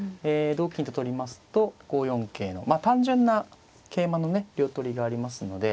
同金と取りますと５四桂のまあ単純な桂馬のね両取りがありますので。